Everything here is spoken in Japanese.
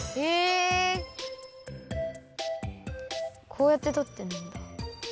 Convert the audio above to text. こうやってとってるんだ。